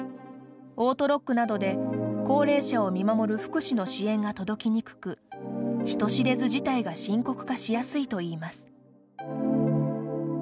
オートロックなどで高齢者を見守る福祉の支援が届きにくく人知れず事態が深刻化しやすいといいます。